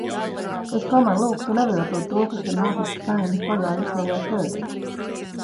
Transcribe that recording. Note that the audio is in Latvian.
Es tomēr lūgtu neviltot to, kas ir noticis Saeimas pagājušajā sēdē.